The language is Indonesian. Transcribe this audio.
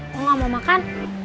aku gak mau makan